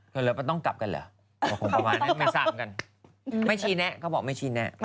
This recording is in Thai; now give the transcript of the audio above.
ก็เลยต้องกลับกันเหรอคงประมาณนั้นไม่ทราบกันไม่ชี้แนะเขาบอกไม่ชี้แนะ